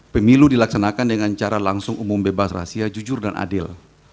pemilu dilaksanakan dengan cara langsung umum bebas rahasia jujur dan adil